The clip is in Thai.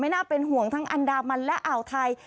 น่าเป็นห่วงทั้งอันดามันและอ่าวไทย